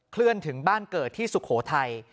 เคลื่อนถึงบ้านเกิดที่สุโขทัย